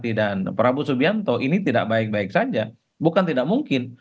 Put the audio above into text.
prabowo subianto ini tidak baik baik saja bukan tidak mungkin